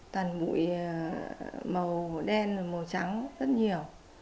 toàn bụi màu đen và màu trắng rất nhiều